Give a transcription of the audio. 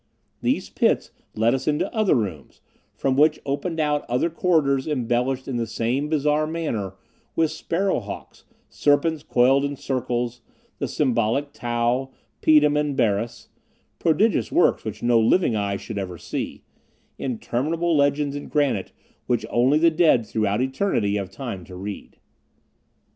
These pits led us into other rooms, from which opened out other corridors embellished in the same bizarre manner with sparrow hawks, serpents coiled in circles, the symbolic tau, pedum, and baris, prodigious works which no living eye should ever see, interminable legends in granite which only the dead throughout eternity have time to read.